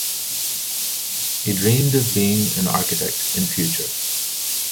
He dreamed of being an architect in future.